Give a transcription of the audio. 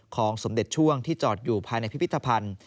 ของสมเด็จช่วงที่จอดอยู่ภายในพิพิธภัณฑ์